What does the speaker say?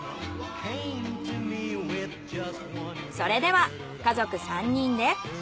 それでは家族３人で。